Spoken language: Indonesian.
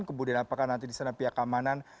kemudian apakah nanti disana pihak keamanan